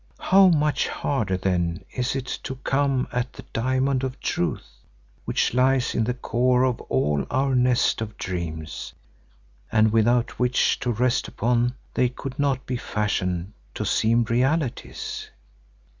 How much harder, then, is it to come at the diamond of Truth which lies at the core of all our nest of dreams and without which to rest upon they could not be fashioned to seem realities?"